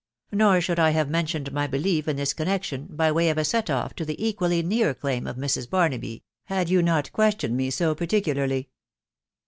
. nor should I have mentioned my belief in this connection, by way of a set off to the equally near claim of Mrs. Barnaby, had you not questioned me so particularly